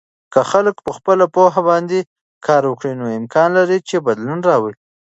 که خلک په خپلو پوهه باندې کار وکړي، نو امکان لري چې بدلون راولي.